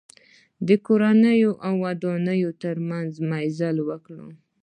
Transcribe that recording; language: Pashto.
د کورونو او ودانیو په منځ کې مزل وکړ.